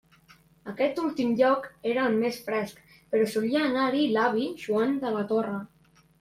Aquest últim lloc era el més fresc, però solia anar-hi l'avi Joan de la Torre.